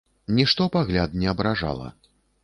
Нішто пагляд не абражала.